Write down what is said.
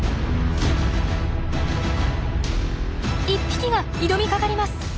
１匹が挑みかかります。